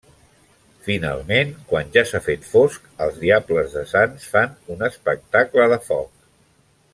Finalment, quan ja s'ha fet fosc, els Diables de Sants fan un espectacle de foc.